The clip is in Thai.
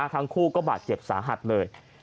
ทั้งคู่ก็บาดเจ็บสาหัสเลย